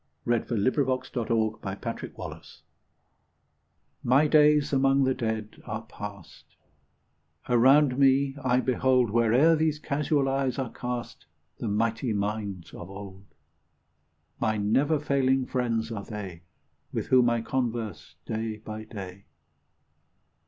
460 SOUTHEY 932. MY DAYS AMONG THE DEAD ARE PASSED MY days among the Dead are passed ; Around me I behold, Where'er these casual eyes are cast, The mighty minds of old ; My never failing friends are they, With whom I converse day by day.